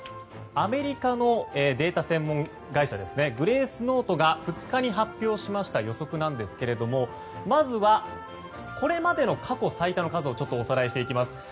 アメリカのデータ専門会社グレースノートが２日に発表しました予測なんですけどまずはこれまでの過去最多の数をおさらいしていきます。